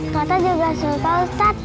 kata juga suka ustaz